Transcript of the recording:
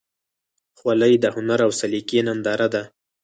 خولۍ د هنر او سلیقې ننداره ده.